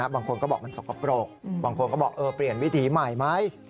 บางคนก็บอกมันสกปรกบางคนก็บอกเปลี่ยนวิถีใหม่ไหม